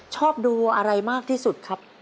ชอบดูอะไรมากที่สุดครับ